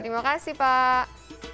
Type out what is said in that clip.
terima kasih pak